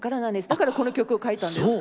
だからこの曲を書いたんです。